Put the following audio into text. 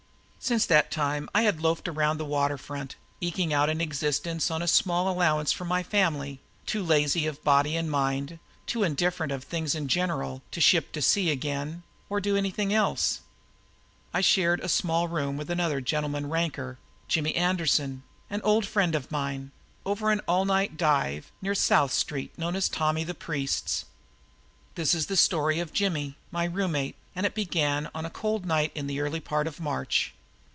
Since that time I had loafed around the water front, eking out an existence on a small allowance from my family, too lazy of body and mind, too indifferent to things in general, to ship to sea again or do anything else. I shared a small rear room with another "gentleman ranker," Jimmy Anderson, an old friend of mine, over an all night dive near South street known as Tommy the Priest's. This is the story of Jimmy, my roommate, and it begins on a cold night in the early part of March.